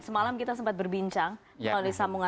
semalam kita sempat berbincang